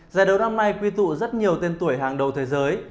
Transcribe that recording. giải đấu năm nay quy tụ rất nhiều tên tuổi hàng đầu thế giới